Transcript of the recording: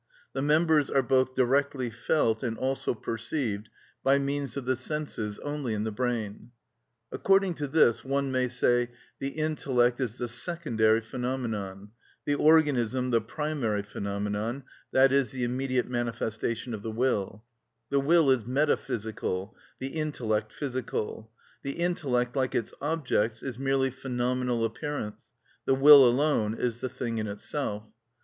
The members are both directly felt and also perceived by means of the senses only in the brain. According to this one may say: The intellect is the secondary phenomenon; the organism the primary phenomenon, that is, the immediate manifestation of the will; the will is metaphysical, the intellect physical;—the intellect, like its objects, is merely phenomenal appearance; the will alone is the thing in itself.